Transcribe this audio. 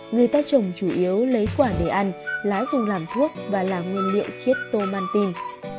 người ta trồng chủ yếu lấy quả để ăn lá dùng làm thuốc và làm nguyên liệu chiết tô mantin